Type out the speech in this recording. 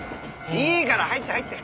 いいから入って入って。